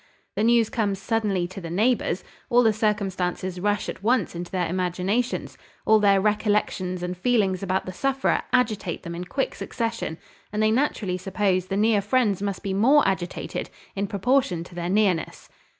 The news comes suddenly to the neighbours: all the circumstances rush at once into their imaginations: all their recollections and feelings about the sufferer agitate them in quick succession; and they naturally suppose the near friends must be more agitated, in proportion to their nearness."